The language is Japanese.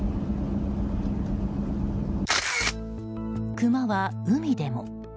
クマは海でも。